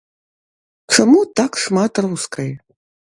Чаму так шмат рускай?